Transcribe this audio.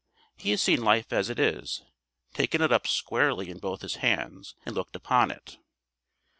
He has seen life as it is, "taken it up squarely," in both his hands, and looked upon it.